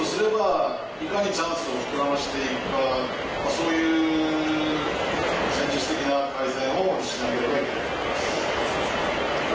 นื่อมหากก็จะเชื่อความเปิดเกมขันตรงนี้ออกมาได้